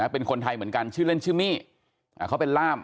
เป็นคนไทยเหมือนกันชื่อเล่นชื่อมี่เขาเป็นล่าม